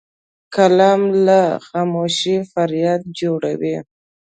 قلم له خاموشۍ فریاد جوړوي